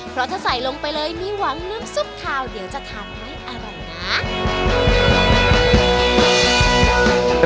เพราะถ้าใส่ลงไปเลยไม่หวังน้ำซุปคาวเดี๋ยวจะทานให้อร่อยนะ